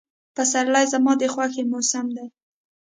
پسرلی زما د خوښې موسم دی.